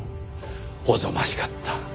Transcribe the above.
おぞましかった。